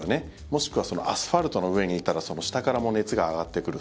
もしくはアスファルトの上にいたら下からも熱が上がってくる。